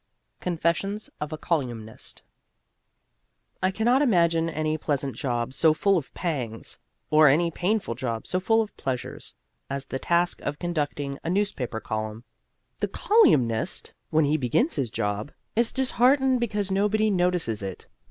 CONFESSIONS OF A "COLYUMIST" I can not imagine any pleasant job so full of pangs, or any painful job so full of pleasures, as the task of conducting a newspaper column. The colyumist, when he begins his job, is disheartened because nobody notices it.